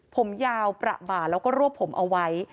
ผมยาวประบาแล้วก็รวบผมเอาไว้